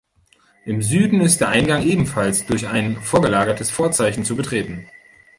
Im Süden ist der Eingang ebenfalls durch ein vorgelagertes Vorzeichen zu betreten.